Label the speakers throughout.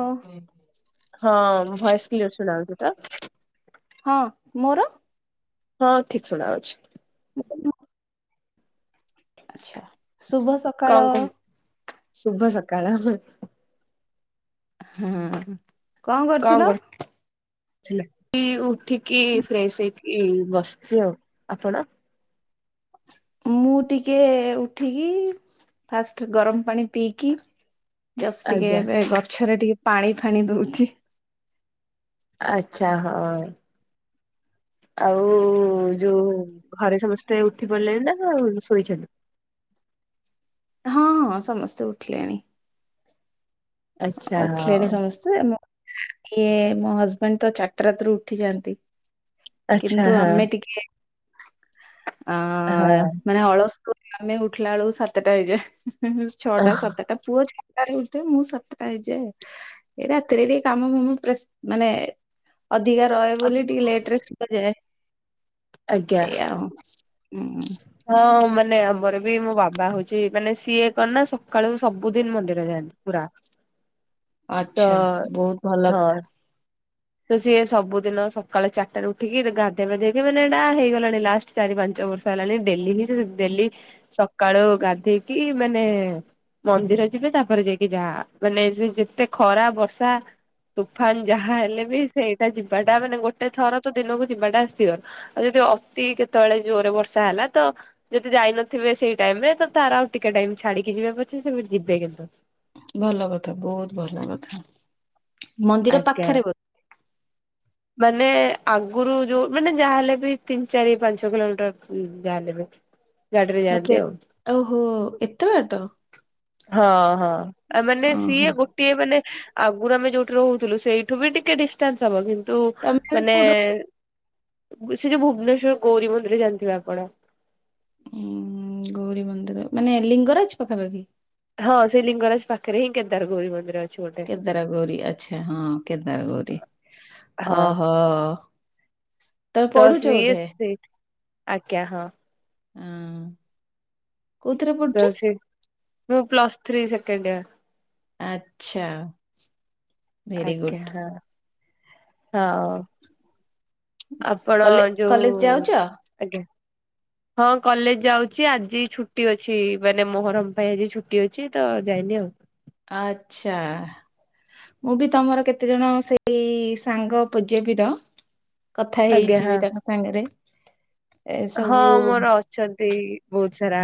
Speaker 1: ଓ।
Speaker 2: ହଁ voice clear ଶୁଣାଉଛୁ ତ।
Speaker 1: ହଁ ମୋର
Speaker 2: ହଁ ଠିକ ଶୁଣା ଅଛି।
Speaker 1: ହ ଆଛା ଶୁଭ ସ
Speaker 2: କଣ ଶୁଭ ସକାଳ।
Speaker 1: ହଁ।
Speaker 2: କଣ କରୁ ଉଠିକି ଫ୍ରେଶ ହେଇକି ଏଇ ବସିଛି ଆଉ ଆପଣ
Speaker 1: ମୁଁ ଟିକେ ଉଠିକି ଫାଷ୍ଟ ଗରମ ପାଣି ପିଇକି ଜସ୍ ଟିକେ
Speaker 2: ଆଜ୍ଞା
Speaker 1: ଏବେ ଗଛରେ ଟିକେ ପାଣି ଫାଣି ଦଉଛି।
Speaker 2: ଆଚ୍ଛା ହଁ ଆଉ ଯୋଉ ଘରେ ସମସ୍ତେ ଉଠି ପଲେଣି ନା ଶୋଇଛନ୍ତି।
Speaker 1: ହଁ ହଁ ସମସ୍ତେ ଉଠିଲେଣି।
Speaker 2: ଆଚ୍ଛା ହଁ
Speaker 1: ଉଠିଲେଣି ସମସ୍ତେ ଇଏ ମୋ ହଜବେଣ୍ଡ ତ ଚାରିଟା ରାତି ରୁ ଉଠି ଯାଆନ୍ତି।
Speaker 2: ଆଚ୍ଛା
Speaker 1: କିନ୍ତୁ
Speaker 2: ହଁ
Speaker 1: ଆମେ ଟିକେ ଅ ମାନେ ଅଳସୁ ଆମେ ଉଠିଲା ବେଳକୁ ସାତଟା ହେଇଯା
Speaker 2: ହଁ
Speaker 1: ଛଅଟା ସାତଟା ପୁଅ ଛଅଟାରେ ଉଠେ ମୁଁ ସାତଟା। ଏଇ ଯେ ଏଇ ରାତିରେ ଟିକ କାମ ଫାମ ମାନେ ଅଧିକା ରହେ ବୋଲି ଟିକେ ଲେଟରେ ଶୁଯାଏ
Speaker 2: ଆଜ୍ଞା
Speaker 1: ଏଇଆ। ହଁ।
Speaker 2: ହଁ ମାନେ ଆମର ବି ମୋ ବାବା ହଉଛି ମାନେ ସିଏ କ ନା ସକାଳୁ ସବୁଦିନ ମନ୍ଦିର ଯାଆନ୍ତି। ପୁରା। ତ
Speaker 1: ଆଛା ବହୁତ ଭଲ
Speaker 2: ହଁ
Speaker 1: କଥା।
Speaker 2: ତ ସିଏ ସବୁ ଦିନ ସକାଳ ଚାରିଟାରେ ଉଠିକି ଗାଧୋଇବାଧେଇକି ମାନେ ଏଇଟା ହେଇଗଲାଣି ଲାଷ୍ଟ। ଚାରି ପାଞ୍ଚ ବର୍ଷ ହେଲାଣି ଡେଲି ହିଁ ଡେଲି ସକାଳୁ ଗାଧେଇକି ମାନେ ମନ୍ଦିର ଯିବେ ତାପରେ ଯାଇକି ଯା ମାନେ ସେ ଯେତେ ଖରା ବର୍ଷା ତୁଫାନ ଯାହା ହେଲେ ବି ସେଇଟା ଯିବାଟା ମାନେ ଗୋ ଗୋଟେ ଥର ତ ଦିନକୁ ଯିବାଟା ସିଓର ଆଉ ଯଦି ଅତି କେତେବେଳେ ଜୋରରେ ବର୍ଷା ହେଲା ତ ଯଦି ଯାଇ ନଥିବେ ସେଇ ଟାଇମ ରେ ତ ତାର ଆଉ ଟିକେ ଟାଇମ ଛାଡିକି ଯିବାେ ପଛେ ସେ ଯିବେ କିନ୍ତୁ?
Speaker 1: ଭଲ କଥା ବହୁତ ଭଲ କଥା ମନ୍ଦିର
Speaker 2: ଆଜ୍ଞା।
Speaker 1: ପାଖରେ ବ
Speaker 2: ମାନେ ଆଗରୁ ଯୋଉ ମାନେ ଯାହା ହେଲେ ବି ତିନି ଚାରି ପାଞ୍ଚ କିଲୋମିଟର ଯାହାହଲେ ବି ଗାଡିରେ ଯାଆନ୍ତି
Speaker 1: ତାପରେ
Speaker 2: ଆଉ।
Speaker 1: ଓହୋ ଏତେ ବାଟ
Speaker 2: ହଁ ହଁ ଆ ମାନେ ସିଏ
Speaker 1: ଓହୋ।
Speaker 2: ଗୋ ଟିକେ ମାନେ ଆଗରୁ ଆମେ ଯୋଉଠି ରହୁଥିଲୁ ସେଇଠୁ ବି ଟିକେ ଡିଷ୍ଟାନ୍ସ ହବ କିନ୍ତୁ
Speaker 1: ତମେ ଏବେ
Speaker 2: ମାନେ
Speaker 1: କୋଉଠି ରହୁ
Speaker 2: ସେ ଯୋଉ ଭୁବନେଶ୍ଵର ଗୌରୀ ମନ୍ଦିରରେ ଜାଣିଥିବେ ଆପଣ।
Speaker 1: ଉୁଁ ଗୌରୀ ମନ୍ଦିର ମାନେ ଲିଙ୍ଗରାଜ ପାଖାପାଖି।
Speaker 2: ହଁ ସେ ଲିଙ୍ଗରାଜ ପାଖରେ ହିଁ କେଦାର ଗୌର ମନ୍ଦିର ଅ
Speaker 1: କେଦାର ଗୌରୀ ଆଛା ହଁ କେଦାର ଗୌରୀ
Speaker 2: ହଁ।
Speaker 1: ଓହୋ। ତମେ
Speaker 2: ତ
Speaker 1: ପଢୁଛ
Speaker 2: ସିଏ
Speaker 1: ବୋଧେ।
Speaker 2: ସେ ଆଜ୍ଞା ହଁ।
Speaker 1: ଆଁ।
Speaker 2: ତ ସେ ମୁଁ ପ୍ଲସ ଥ୍ରୀ ସେକେଣ୍ଡୟର।
Speaker 1: ଆଛା।
Speaker 2: ଆଜ୍ଞା ହଁ ହଁ। ଆପଣ
Speaker 1: କଲେ
Speaker 2: ଯୋଉ
Speaker 1: କଲେଜ ଯାଉଛ?
Speaker 2: ଆଜ୍ଞା। ହଁ କଲେଜ ଯାଉଛି ଆଜି ଛୁଟି ଅଛି ମାନେ ମୋହରମ ପାଇଁ ଆଜି ଛୁଟି ଅଛି ତ ଯାଇନି ଆଉ।
Speaker 1: ଆଛା। ମୁଁ ବି ତମର କେତେ ଜଣ ସେଇ ସାଙ୍ଗ ପୂଜ୍ୟପିର କଥା
Speaker 2: ଆଜ୍ଞା
Speaker 1: ହେଇଛି
Speaker 2: ହଁ
Speaker 1: ବି ତାଙ୍କ ସାଙ୍ଗରେ। ଏ
Speaker 2: ହଁ
Speaker 1: ସବୁ
Speaker 2: ମୋର ଅଛନ୍ତି ବହୁତ ସାରା।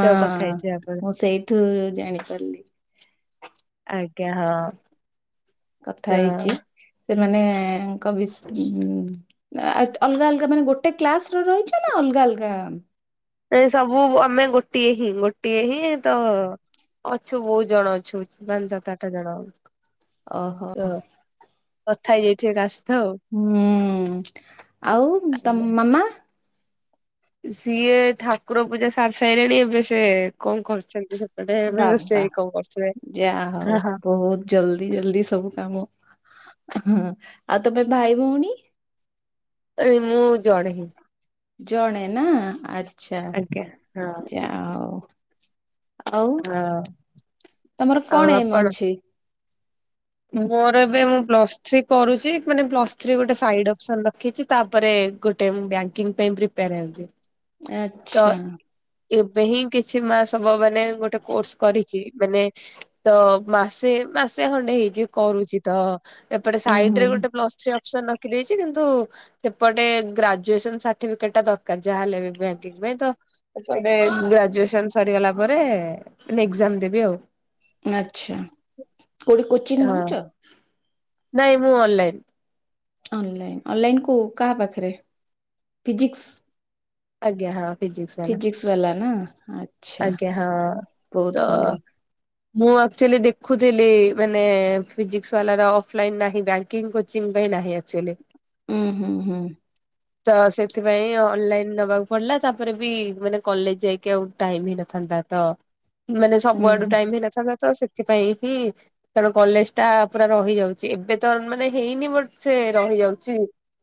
Speaker 2: ତ କଥା ହେଇଥିବେ ଆପଣ।
Speaker 1: ମୁଁ ସେଇଠୁ ଜାଣିପାରିଲି।
Speaker 2: ଆଜ୍ଞା ହଁ। ତ
Speaker 1: କଥା ହେଇଛି ସେମାନେଙ୍କ ଭି ଆ ଅଲଗା ଅଲଗା ମାନେ ଗୋଟେ କ୍ଲାସ ର ରହୁଛ ନା ଅଲଗା ଅଲଗା।
Speaker 2: ଏ ସବୁ ଆମେ ଗୋଟିଏ ହିଁ ଗୋଟିଏ ହିଁ ତ ଅଛୁ ବହୁତ୍ ଜଣ ଅଛୁ ପାଞ୍ଚ ସାତ ଆଠ ଜଣ।
Speaker 1: ଅ ହ।
Speaker 2: ତ କଥା ହେଇଯାଇଥିବେ କାସ୍ ତ ଆଉ।
Speaker 1: ହୁଁ ଆଉ
Speaker 2: ଆଜ୍ଞା
Speaker 1: ତମ ମାମା।
Speaker 2: ସିଏ ଠାକୁର ପୂଜା ସାରି ସାଇଲେଣି ଏବେ ସେ କଣ କରୁଚନ୍ତି ସେ ସେପଟେ ବୋଧେ
Speaker 1: ବାବା
Speaker 2: ରୋସେଇ କଣ କରୁଥିବେ
Speaker 1: ଯାହା ହଉ
Speaker 2: ହଁ ହଁ।
Speaker 1: ବହୁତ ଜଲଦି ଜଲଦି ସବୁ କାମ ହୁଁ ଆଉ ତମେ ଭାଇ ଭଉଣୀ।
Speaker 2: ଏଇ ମୁଁ ଜଣେ ହିଁ।
Speaker 1: ଜଣେ ନା ଆଚ୍ଛା
Speaker 2: ଆଜ୍ଞା ହଁ।
Speaker 1: ଯା ଅଉ। ଆଉ
Speaker 2: ହଁ
Speaker 1: ତମର
Speaker 2: ଆଉ
Speaker 1: କଣ ଏମ
Speaker 2: ଆପଣ?
Speaker 1: ଅଛି?
Speaker 2: ମୋର ଏବେ ମୁଁ ପ୍ଲସ୍ ଥ୍ରୀ କରୁଛି ମାନେ ପ୍ଲସ୍ ଥ୍ରୀ ଗୋଟେ ସାଇଡ ଅପସନ ରଖିଛି। ତାପରେ ଗୋଟେ ବ୍ୟାଙ୍କିଙ୍ଗ ପାଇଁ ପ୍ରିପେୟାର ହେଉଛି। ତ
Speaker 1: ଆଛା।
Speaker 2: ଏବେ ହିଁ କିଛି ମା ସବୁ ମାନେ ଗୋଟେ କୋର୍ସ କରିଛି ମାନେ ତ ମାସେ ମାସେ ଖଣ୍ଡେ ହେଇଛି କରୁଛି ତ। ଏପଟେ
Speaker 1: ହୁଁ
Speaker 2: ସାଇଡ
Speaker 1: ହୁଁ
Speaker 2: ରେ
Speaker 1: ହୁଁ
Speaker 2: ଗୋଟେ ପ୍ଲ ଥ୍ରୀ ଅପସନ ଅ ଛି କିନ୍ତୁ ସେପଟେ ଗ୍ରାଜୁଏସନ ସାର୍ଟିଫିକେଟ ଟା ଦରକାର ଯାହାହଲେ ବି ସେଇଥିପାଇଁ ତ ଏବେ ଗ୍ରାଜୁଏସନ ସରିଗଲା ପରେ ଏଗ୍ଜାମ ଦେବି ଆଉ।
Speaker 1: ଆଛା କୋଉଠି କୋଚିଂ
Speaker 2: ହଁ
Speaker 1: ନଉଛ।
Speaker 2: ନାଇଁ ମୁଁ ଅନଲାଇନ୍।
Speaker 1: ଅନଲାଇନ ଅନଲାଇନ କୁ କାହା ପାଖରେ ଫିଜିକିସ୍‌।
Speaker 2: ଆଜ୍ଞା ହଁ। ଫିଜିକ୍ସ ବାଲା
Speaker 1: ଫିସିକ୍ସ ବାଲା ନା ଆ
Speaker 2: ଆଜ୍ଞା ହଁ ତ। ମୁଁ ଆକ୍ଚୁଆଲି ଦେଖୁଥିଲି ମାନେ ଫିଜିକସ୍ ବାଲାର ଅଫ୍ଲାଇନ୍ ନାହିଁ। ବ୍ୟା ବ୍ୟାଙ୍କିଂ କୋଚିଂ ପାଇଁ ନାହିଁ ଅକ୍ଚୁଆଲି।
Speaker 1: ଉଁ ହୁଁ ହୁଁ।
Speaker 2: ତ ସେଥିପାଇଁ ଅନଲାଇନ ନବାକୁ ପଡିଲା। ତାପରେ ବି ମାନେ କଲେଜ ଯାଇକି ଆଉ ଟାଇମ ହେଇନଥାନ୍ତା, ତ ମାନେ
Speaker 1: ହୁଁ
Speaker 2: ସବୁଆଡୁ
Speaker 1: ହୁଁ
Speaker 2: ଟାଇମ ହେଇନଥାନ୍ତା ତ ସେ ସେଥିପାଇଁ ହିଁ କାରଣ କଲେଜ ଟା ପୁରା ରହିଯାଉଛି ଏବେ ତ ମାନେ ହେଇନି ବ ସେ ରହିଯାଉଛି।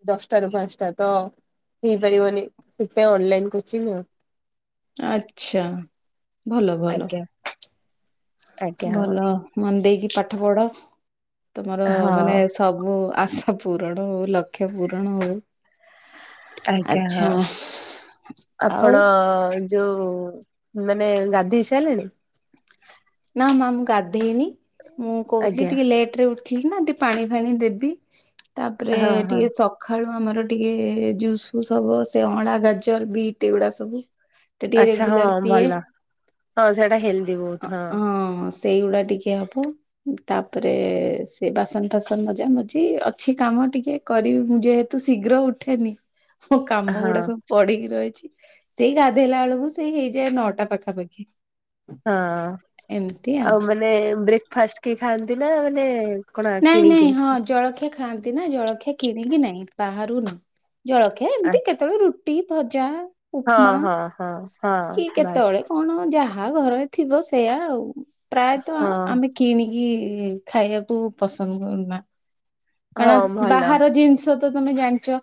Speaker 2: ଦଶଟା ରୁ ପାଞ୍ଚଟା ତ ହେଇପାରିବନି। ସେଥିପାଇଁ ଅନଲାଇନ କୋଚିଂ ଆଉ
Speaker 1: ଆଚ୍ଛା ଭଲ ଭଲ।
Speaker 2: ଆଜ୍ଞା ଆଜ୍ଞା ହଁ
Speaker 1: ଭଲ ମନ ଦେଇକି ପାଠ ପଢ। ତମର
Speaker 2: ହଁ
Speaker 1: ମାନେ ସବୁ ଆଶା ପୂରଣ ହଉ, ଲକ୍ଷ୍ୟ ପୂରଣ ହଉ।
Speaker 2: ଆଜ୍ଞା ହଁ।
Speaker 1: ଆଚ୍ଛା ଆଉ
Speaker 2: ଆପଣ ଯୋଉ ମାନେ ଗାଧେଇ ସାରିଲେଣି?
Speaker 1: ନା ନା ମୁଁ ଗାଧେଇନି। ମୁଁ କହୁଥିଲି,
Speaker 2: ଆଜ୍ଞା
Speaker 1: ଟିକେ ଲେଟ ରେ ଉ ଉଠିଲିନା ଟିକେ ପାଣି ଫାଣି ଦେବି। ତାପରେ
Speaker 2: ହଁ ହଁ
Speaker 1: ଟିକେ ସ ସଖାଳୁ ଆମର ଟିକେ ଜୁସ୍ ଫୁସ୍ ହବ। ସେ ଅଁଳା ଗାଜର ବିଟ୍ ଏଗୁଡା ସବୁ। ତ ଟିକେ
Speaker 2: ଆଚ୍ଛା ହଁ
Speaker 1: ରେଗୁଲାର ପିଏ
Speaker 2: ଭଲ। ହଁ, ସେଟା ହେଲଦି ବହୁତ ହଁ।
Speaker 1: ହଁ ସେଇଗୁଡା ଟିକେ ହବ। ତାପରେ ସେ ବାସନ ଫାସନ ମଜା ମଜି ଅଛି କାମ ଟିକେ। କରିବି ମୁଁ ଯେହେତୁ ଶୀଘ୍ର ଉଠେନି। ମୋ କାମ ଗୁଡା
Speaker 2: ହଁ
Speaker 1: ସବୁ ପଡିକି ରହିଛି, ସେଇ ଗାଧେଇଲା ବେଳକୁ ସେଇ ହେଇଯାଏ ନଅଟା ପାଖାପାଖି।
Speaker 2: ହଁ ଆଉ ମାନେ ବ୍ରେକଫାଷ୍ଟ କେହି ଖାଆନ୍ତି ନା ମାନେ କଣ
Speaker 1: ନାଇଁ ନାଇଁ
Speaker 2: କିଣିକି?
Speaker 1: ହଁ ଜଳଖିଆ ଖାଆନ୍ତି ନା ଜଳଖିଆ କିଣିକି ନାଇଁ ବାହାରୁ ନାଇଁ। ଜଳଖିଆ ଏମିତି
Speaker 2: ଆଚ୍ଛା
Speaker 1: କେତେବେଳେ ରୁଟି ଭଜା।
Speaker 2: ହଁ
Speaker 1: ଉପମା
Speaker 2: ହଁ ହଁ ହଁ
Speaker 1: କି
Speaker 2: ବାସ୍।
Speaker 1: କେତେବେଳେ କଣ ଯାହା ଘରରେ ଥିବ ସେଇୟା ଆଉ। ପ୍ରାୟତଃ
Speaker 2: ହଁ
Speaker 1: ଆମେ କିଣିକି ଖାଇବାକୁ ପସନ୍ଦ କରୁନା।
Speaker 2: ହଁ
Speaker 1: କାରଣ
Speaker 2: ଭଲ।
Speaker 1: ବାହାର ଜିନିଷ ତ ତମେ ଜାଣିଛ,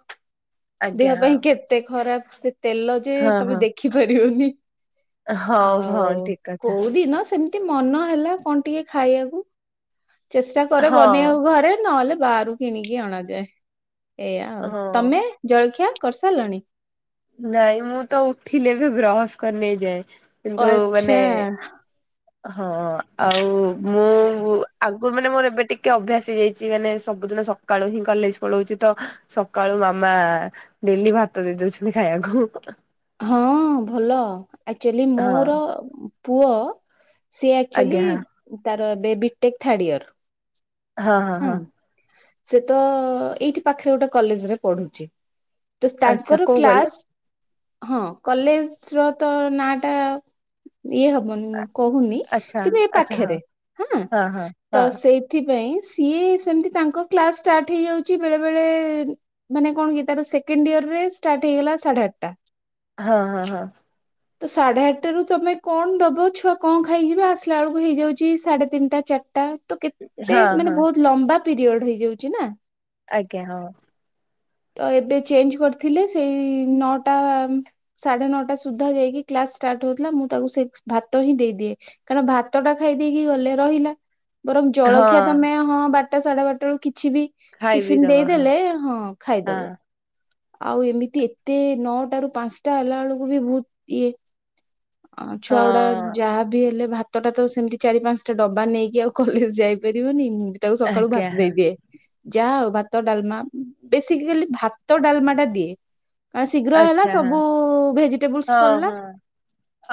Speaker 1: ଦେହ
Speaker 2: ଆଜ୍ଞା
Speaker 1: ପାଇଁ କେତେ ଖରାପସେ। ତେଲ ଯେ
Speaker 2: ହଁ
Speaker 1: ତମେ
Speaker 2: ହଁ
Speaker 1: ଦେଖିପାରିବନି।
Speaker 2: ହଁ ହଉ ହଁ
Speaker 1: ଆଉ
Speaker 2: ଠିକ କଥା
Speaker 1: କୋଉଦିିନ ସେମ୍ ସେମିତି ମନ ହେଲା କଣ ଟିକେ ଖାଇବାକୁ। ଚେଷ୍ଟା କରେ
Speaker 2: ହଁ
Speaker 1: ବନେଇବାକୁ ଘରେ, ନହେଲେ ବାହାରୁ କିଣିକି ଅଣାଯାଏ ଏଇଆ ଆଉ।
Speaker 2: ହଁ।
Speaker 1: ତମେ ଜଳଖିଆ କରିସାରିଲଣି?
Speaker 2: ନାଇଁ ମୁଁ ତ ଉଠିଲି ଏବେ ବ୍ରସ୍ କରିନି ଏଯାଏ।
Speaker 1: ଓ
Speaker 2: କିନ୍ତୁ ମାନେ
Speaker 1: ଆଚ୍ଛା।
Speaker 2: ହଁ, ଆଉ ମୁଁ ଆ ଆଗରୁ ମାନେ ମୋର ଏବେ ଟିକେ ଅଭ୍ୟାସ ହେଇଯାଇଛି ମାନେ ସବୁଦିନ ସକାଳୁ ହିଁ କଲେଜ ପଳଉଛି ତ ସକାଳୁ ମାମା ଡେଲି ଭାତ ଦେଇ ଦଉଛନ୍ତି ଖାଇବାକୁ।
Speaker 1: ହଁ ଭଲ। ଆକ୍ଚୁଆଲି
Speaker 2: ହଁ
Speaker 1: ମୋର ପୁଅ ସିଏ ଆକ୍ଚୁଆଲି
Speaker 2: ଆଜ୍ଞା
Speaker 1: ତାର ଏବେ ବିଟେକ୍ ଥାର୍ଡ ଇୟର।
Speaker 2: ହଁ ହଁ ହଁ।
Speaker 1: ସେ ତ ଏଇଠି ପାଖରେ ଗୋଟେ କଲେଜ ରେ ପଢୁଛି। ତ
Speaker 2: ଆଚ୍ଛା
Speaker 1: ତାଙ୍କର
Speaker 2: କୋଉ
Speaker 1: କ୍ଲାସ୍
Speaker 2: କଲେଜ
Speaker 1: ହଁ କଲେଜ ର ତ ନାଁ ଟା ଇଏ ହବନି କହୁନି।
Speaker 2: ଆଚ୍ଛା।
Speaker 1: କିନ୍ତୁ ଏ
Speaker 2: ଆଚ୍ଛା ହଁ
Speaker 1: ପାଖରେ। ହଁ ତ ସେ ସେଥିପାଇଁ ସିଏ ସେମତି ତାଙ୍କ କ୍ଲାସ ଷ୍ଟାର୍ଟ ହେଇଯାଉଛି ବେଳେ ବେଳେ ମାନେ କଣ କି ତାର ସେକେଣ୍ଡ ଇୟର ରେ ଷ୍ଟାର୍ଟ ହେଇଗଲା ସାଢେ ଆଠଟା।
Speaker 2: ହଁ ହଁ ହଁ।
Speaker 1: ତ ସାଢେ ଆଠଟା ରୁ ତମେ କଣ ଦବ ଛୁଆ କଣ ଖାଇଯିବ ଆସିଲା ବେଳକୁ ହେଇଯାଉଛି ସାଢେ ତିନିଟା ଚାରଟା। ତ
Speaker 2: ହଁ
Speaker 1: କେତେ
Speaker 2: ହଁ ହଁ
Speaker 1: ମାନେ ବହୁତ ଲମ୍ବା ପିରିୟଡ ହେଇଯାଉଛି ନା।
Speaker 2: ଆଜ୍ଞା ହଁ।
Speaker 1: ତ ଏବେ ଚେଞ୍ଜ କରିଥିଲେ ସେଇ ନଅଟା ସାଢେ ନଅଟା ସୁଦ୍ଧା ଯାଇକି କ୍ଲାସ ଷ୍ଟାର୍ଟ ହଉଥିଲା ମୁଁ ତାକୁ ସେ ଭାତ ହିଁ ଦେଇଦିଏ। କାରଣ ଭାତ ଟା ଖାଇ ଦେଇେଇକି ଗଲେ ରହିଲା। ବରଂ ଜଳଖିଆ
Speaker 2: ହଁ
Speaker 1: ତମେ ହଁ ବାରଟା ସାଢେ ବାରଟା ବେଳକୁ କିଛି ବି
Speaker 2: ଖାଇବି
Speaker 1: ଟିଫିିନ
Speaker 2: ଦବ ହଁ
Speaker 1: ଦେଇଦେଲେ ହଁ।
Speaker 2: ହଁ
Speaker 1: ଖାଇଦବ। ଆଉ ଏମିତି ଏତେ ନଅଟା ରୁ ପାଞ୍ଚଟା ହେଲା ବେଳକୁ ବି ବହୁତ ଇଏ। ଅ -ଛୁଆ ଗୁଡା
Speaker 2: ହଁ
Speaker 1: ଯାହାବି ହେଲେ ଭାତ୍ ତଟା ତ ସେମିତି ଚାରି ପାଞ୍ଚଟା ଡବା ନେଇକି ଆଉ କଲେଜ ଯାଇପାରିବନି ମୁଁ ବି ତାକୁ ସକାଳୁ
Speaker 2: ଆଜ୍ଞା
Speaker 1: ଭାତ
Speaker 2: ହଁ
Speaker 1: ଦେଇଦିଏ। ଯା ହଉ ଭାତ ଡାଲମା ବେଶିକାଲି ଭାତ ଡାଲମା ଟା ଦିଏ। ମାନେ ଶୀଘ୍ର ହେଲା
Speaker 2: ଆଚ୍ଛା ହଁ
Speaker 1: ସବୁ ଭେଜିଟେବୁଲ୍ସ
Speaker 2: ହଁ ହଁ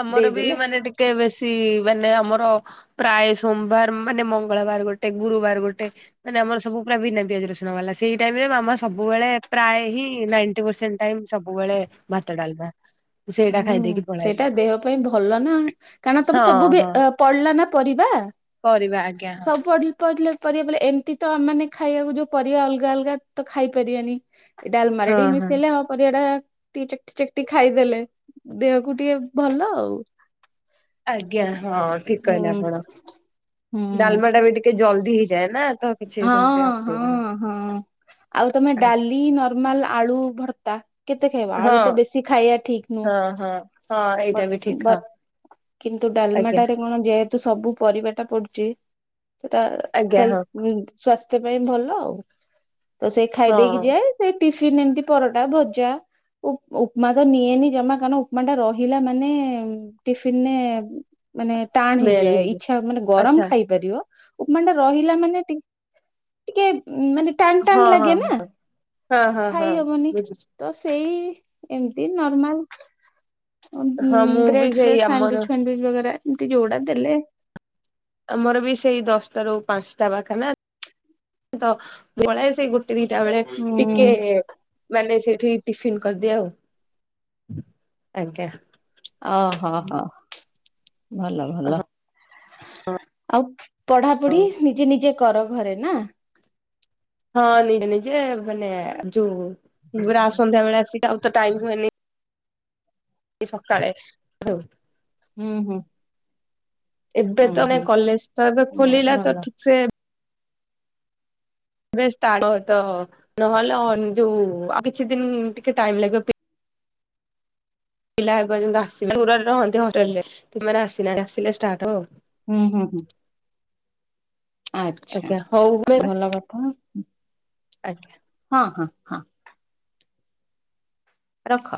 Speaker 2: ଆମର ବି ମାନେ ଟିକେ ବେଶୀ ମାନେ ଆମର ପ୍ରାୟ ସୋମବାର ମାନେ ମଙ୍ଗଳବାର ଗୋଟେ ଗୁରୁବାର ଗୋଟେ। ମାନେ ଆମର ସବୁ ପୁରା ବିନା ପିଆଜ ରସୁଣ ବାଲା ସେଇ ଟାଇମ ରେ ମାମା ସବୁବେଳେ ପ୍ରାୟ ହିଁ ନାଇଁଟୀ ପରସେଣ୍ଟ ଟାଇମ ସବୁବେଳେ ଭାତ ଡାଲମା। ସେଇଟା
Speaker 1: ହୁଁ
Speaker 2: ଖାଇଦେଇକି ପଳାଏ।
Speaker 1: ସେଇଟା ଦେହ ପାଇଁ ଭଲ ନା କାରଣ ତମେ ସବୁ ଭେ ପଡିଲା ନା ପରିବା।
Speaker 2: ପରିବା ଆଜ୍ଞା ହଁ।
Speaker 1: ସବୁ ପଡି- ପଡିଲେ ପରିବା ପ ଏମିତି ତ ଆମେମାନେ ଖାଇବାକୁ ଯୋଉ ପରିବା ଅଲଗା ଅଲଗା ତ ଖାଇପାରିବାନି। ଇ ଡାଲମାରେ
Speaker 2: ହଁ
Speaker 1: ଟିକେ
Speaker 2: ହଁ
Speaker 1: ମିଶେଇଲେ ଆମ ପରିବା ଟା ଟିକେ ଚକଟି ଚକଟି ଖାଇଦେଲେ। ଦେହକୁ ଟିକେ ଭଲ ଆଉ।
Speaker 2: ଆଜ୍ଞା ହଁ ଠିକ
Speaker 1: ହୁଁ
Speaker 2: କହିଲେ ଆପଣ।
Speaker 1: ହୁଁ।
Speaker 2: ଡାଲମା ଟା ବି ଟିକେ ଜଲଦି ହେଇଯାଏ ନା ତ କିଛି
Speaker 1: ହଁ
Speaker 2: ସେମିତି
Speaker 1: ହଁ
Speaker 2: ଅସୁବିଧା ନାହିଁ।
Speaker 1: ହଁ ଆଉ ତମେ ଡାଲି ନର୍ମାଲ ଆଳୁ ଭର୍ତ୍ତା କେତେ ଖାଇବ ଆଳୁ ତ ବେଶୀ ଖାଇବା ଠିକ୍ ନୁହଁ।
Speaker 2: ହ ହଁ ହଁ।
Speaker 1: ବ
Speaker 2: ଏଇଟା ବି ଠିକ
Speaker 1: ବ
Speaker 2: ହଁ
Speaker 1: କିନ୍ତୁ
Speaker 2: ଆଜ୍ଞା
Speaker 1: ଡାଲମାଟାରେ କଣ ଯେହେତ ତ ସବୁ ପରିବାଟା ପଡୁଛି ସେଟା
Speaker 2: ଆଜ୍ଞା
Speaker 1: ହେଲ
Speaker 2: ହଁ
Speaker 1: ସ୍ଵାସ୍ଥ୍ୟ ପାଇଁ ଭଲ ଆଉ। ତ ସେଇ ଖାଇଦେଇକି
Speaker 2: ହଁ
Speaker 1: ଯାଏ। ସେ ଟିଫିନ ଏମିତି ପରଟା ଭଜା ଉ ଉପମା ତ ନିଏନି ଜମା କାରଣ ଉପମା ଟା ରହି ହିଲା ମାନେ ଟିଫିନରେ ମାନେ ଟାଣ
Speaker 2: ସ୍ମେଲ
Speaker 1: ହେଇଯାଏ
Speaker 2: ହେଇଯିବ
Speaker 1: ଇଚ୍ଛା ମାନେ ଗରମ
Speaker 2: ଆଚ୍ଛା
Speaker 1: ଖାଇପାରିବ। ଉପମାଟା ରହିଲା ମାନେ ଟି ଟିକେ ମାନେ ଟାଣ ଟାଣ
Speaker 2: ହଁ ହଁ
Speaker 1: ଲାଗେ ନା
Speaker 2: ହଁ ହଁ
Speaker 1: ଖାଇ
Speaker 2: ହଁ
Speaker 1: ହବନି
Speaker 2: ବୁଝୁଚି।
Speaker 1: ତ ସେଇ ଏମତି ନର୍ମାଲ
Speaker 2: ହଁ ମୁଁ ବି
Speaker 1: ବ୍ରେଡ
Speaker 2: ସେଇ
Speaker 1: ଫ୍ରେଡ
Speaker 2: ଆମର
Speaker 1: ସନ୍ଦୁଇସ୍ ଫ୍ୟାଣ୍ଡିଚ ବଗରା ଏମିତି ଯୋଉଟା ଦେଲେ।
Speaker 2: ଆମର ବି ସେଇ ଦଶଟା ରୁ ପାଞ୍ଚଟା ବାଖା ନା ତ ପଳେଇ ଆସେ ସେଇ ଗୋଟେ ଦିଟା ବେଳେ ଟିକେ
Speaker 1: ହୁଁ
Speaker 2: ମାନେ ସେଇଠି ଟିଫିନ କରିଦିଏ ଆଉ ଆଜ୍ଞା।
Speaker 1: ଓହୋ ହୋ ଭଲ ଭଲ ଆଉ ପଢ଼ା ପଢ଼ି
Speaker 2: ହଉ
Speaker 1: ନିଜେ ନିଜେ କର ଘରେ ନା।
Speaker 2: ହଁ ନିଜେ ନିଜେ ମାନେ ଯୋଉ ପୁରା ଆସନ୍ଧ୍ୟା ବେଳେ ଆସିକି ଆଉ ତ ଟାଇ ହୁଏନି। ଏଇ ସକାଳେ ଯଉ
Speaker 1: ହୁଁ ହୁଁ।
Speaker 2: ଏବେ
Speaker 1: ହୁଁ
Speaker 2: ତମେ
Speaker 1: ହୁଁ
Speaker 2: କଲେଜ ତ ଏବେ
Speaker 1: ନାଇଁ
Speaker 2: ଖୋଲିଲା ତ
Speaker 1: ଭଲ
Speaker 2: ଠିକ ସେ ବେଶ ତ ନହେଲେ ଯୋଉ ଆଉ କିଛି ଦିନ ଟିକେ ଟାଇମ ଲାଗିବ।
Speaker 1: ହଁ।
Speaker 2: ପିଲା ଏ ପର୍ଯ୍ୟନ୍ତ ଆସି ନାହାନ୍ତି। ଦୂରରେ ରହନ୍ତି ହଷ୍ଟେଲରେ ସେମାନେ ଆସିନାହାନ୍ତି। ଆସିଲେ ଷ୍ଟାର୍ଟ ହବ ଆଉ।
Speaker 1: ହୁଁ ହୁଁ ହୁଁ। ଆଚ୍ଛା
Speaker 2: ଆଜ୍ଞା ହଉ
Speaker 1: ଭଲ କଥା
Speaker 2: ଆଜ୍ଞା।
Speaker 1: ହଁ ହଁ ହଁ। ରଖ।